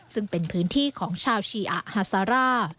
ซึ่งเป็นพื้นที่ของชาวชีอะฮาซาร่า